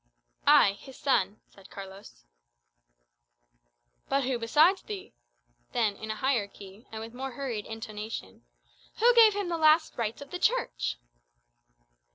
"I, his son," said Carlos. "But who besides thee?" Then, in a higher key, and with more hurried intonation, "Who gave him the last rites of the Church?"